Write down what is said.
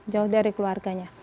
jauh dari keluarganya